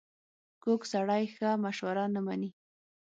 کوږ سړی ښه مشوره نه مني